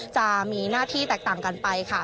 จะมีหน้าที่แตกต่างกันไปค่ะ